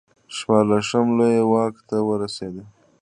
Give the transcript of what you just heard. شپاړسم لویي واک ته ورسېد.